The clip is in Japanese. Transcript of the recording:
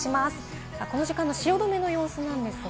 この時間の汐留の様子なんですが。